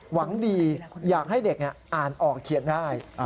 หวังดีอยากให้เด็กอ่านออกเขียนได้